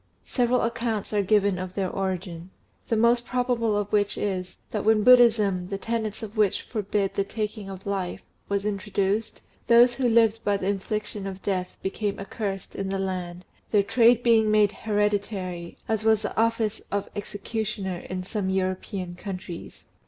Several accounts are given of their origin; the most probable of which is, that when Buddhism, the tenets of which forbid the taking of life, was introduced, those who lived by the infliction of death became accursed in the land, their trade being made hereditary, as was the office of executioner in some European countries.